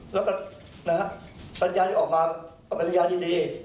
แล้วก็นะฮะสัญญาณที่ออกมาก็เป็นสัญญาณที่ดี